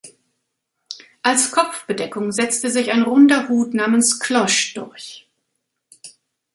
Als Kopfbedeckung setzte sich ein runder Hut namens "Cloche" durch.